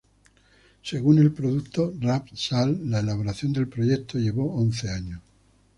Según el productor Ralph Sall, la elaboración del proyecto llevó once años.